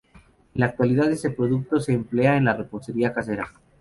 En la actualidad este producto se emplea en la repostería casera.